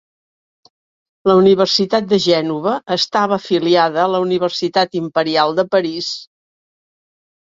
La universitat de Gènova estava afiliada a la Universitat Imperial de París.